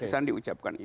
itu kan di ucapkan